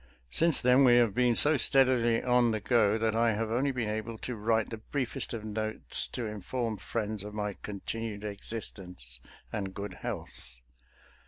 Since then we have been so steadily on the go that I have only been able to write the briefest of notes to inform friends of my continued existence and good health.